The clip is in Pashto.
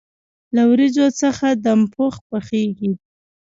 له وریجو څخه دم پخ پخیږي.